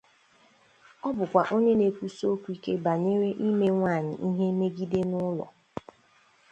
Ọ bụkwa onye na-ekwusi okwu ike banyere ime nwaanyị ihe megide n'ụlọ.